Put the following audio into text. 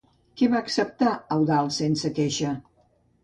Què va acceptar Eudald sense queixa?